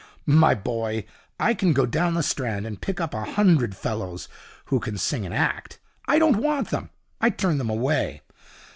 'My boy, I can go down the Strand and pick up a hundred fellows who can sing and act. I don't want them. I turn them away.